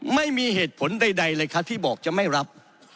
ไม่มีเหตุผลใดเลยครับที่บอกจะไม่รับ